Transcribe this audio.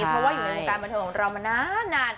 เพราะว่าอยู่ในมุมการบรรเทิงล้ำมานาน